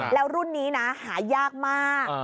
แล้วรุ่นนี้นะหายากมาก